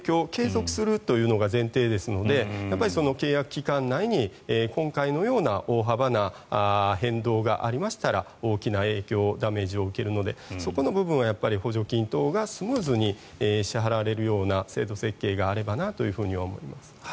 給食に関しては食の提供継続するのが前提ですので契約期間内に今回のような大幅な変動がありましたら大きな影響ダメージを受けるのでそこの部分は補助金等がスムーズに支払われるような制度設計があればなと思います。